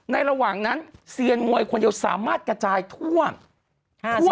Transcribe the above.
ระหว่างนั้นเซียนมวยคนเดียวสามารถกระจายทั่ว